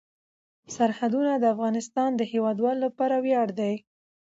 سرحدونه د افغانستان د هیوادوالو لپاره ویاړ دی.